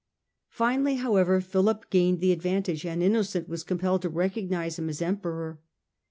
Finally, however, Philip gained the advantage, and Innocent was compelled to recognise him as Emperor.